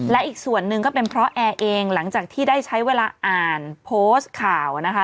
และอีกส่วนหนึ่งก็เป็นเพราะแอร์เองหลังจากที่ได้ใช้เวลาอ่านโพสต์ข่าวนะคะ